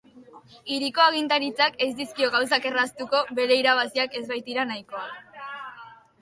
Hiriko agintaritzak ez dizkio gauzak erraztuko, bere irabaziak ez baitira nahikoak.